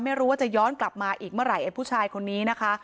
ไม่รู้ว่าจะย้อนกลับมาอีกเมื่อไหร่ไอ้ผู้ชายคนนี้นะคะ